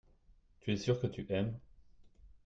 tu es sûr que tu aimes.